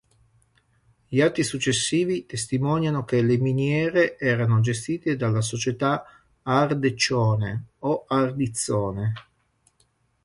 Gli atti successivi testimoniano che le miniere erano gestite dalla società "Ardecione" o "Ardizzone".